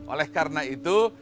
oleh karena itu